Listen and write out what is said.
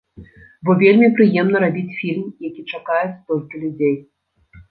Бо вельмі прыемна рабіць фільм, які чакае столькі людзей.